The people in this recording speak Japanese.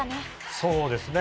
そうですね。